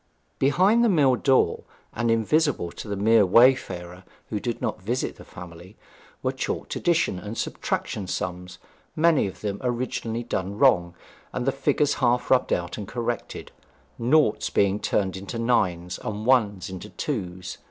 Behind the mill door, and invisible to the mere wayfarer who did not visit the family, were chalked addition and subtraction sums, many of them originally done wrong, and the figures half rubbed out and corrected, noughts being turned into nines, and ones into twos.